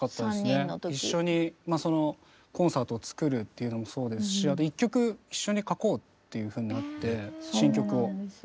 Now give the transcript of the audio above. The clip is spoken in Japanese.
一緒にコンサートを作るっていうのもそうですし一曲一緒に書こうっていうふうになって新曲を。